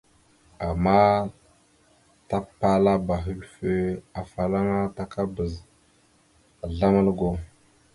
Ama tapalaba hʉlfœ afalaŋa takabaz azzlam algo.